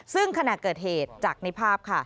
ซึ่งขณะเกิดเหตุจากในภาพค่ะ